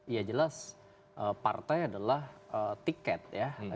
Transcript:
ya jelas partai adalah tiket ya